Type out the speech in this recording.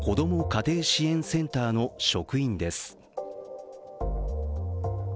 家庭支援センターの職員です。